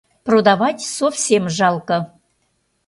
Продавать совсем жалке...